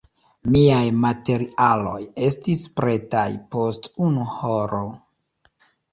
Miaj materialoj estis pretaj post unu horo.